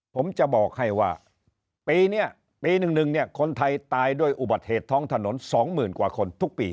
ผมจะบอกให้ว่าปีนี้ปี๑๑เนี่ยคนไทยตายด้วยอุบัติเหตุท้องถนน๒๐๐๐กว่าคนทุกปี